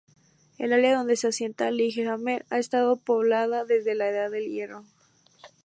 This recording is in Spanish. El área donde se asienta Lillehammer ha estado poblada desde la Edad del Hierro.